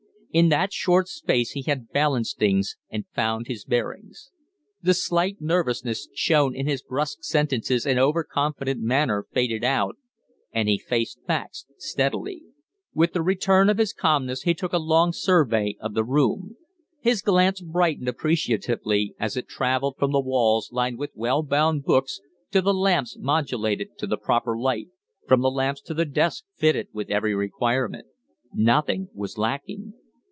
In that short space he had balanced things and found his bearings. The slight nervousness shown in his brusque sentences and overconfident manner faded out, and he faced facts steadily. With the return of his calmness he took a long survey of the room. His glance brightened appreciatively as it travelled from the walls lined with well bound books to the lamps modulated to the proper light; from the lamps to the desk fitted with every requirement. Nothing was lacking.